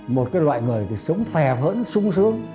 một cái loại người thì sống phè hởn sung sướng